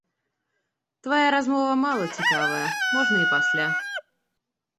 Твая размова мала цікавая, можна і пасля!